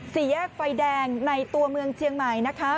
สี่แยกไฟแดงในตัวเมืองเจียงใหม่นะคะ